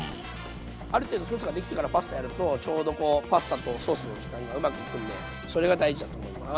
ある程度ソースができてからパスタやるとちょうどこうパスタとソースの時間がうまくいくんでそれが大事だと思います。